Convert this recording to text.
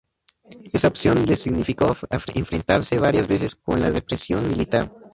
Esa opción les significó enfrentarse varias veces con la represión militar.